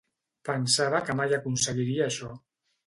Pensava que mai aconseguiria això.